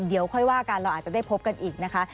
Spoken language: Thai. เดี๋ยวค่อยว่ากันเราอาจจะได้พบกันอีกนะคะ